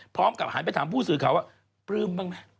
พร้อมกับหาไปถามผู้สื่อเขาว่าปลื้มบ้างมั้ย